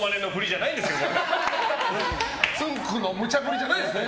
つんく♂のむちゃ振りじゃないですよね？